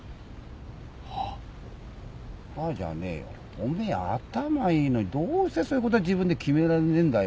お前頭いいのにどうしてそういうことは自分で決められねえんだよ。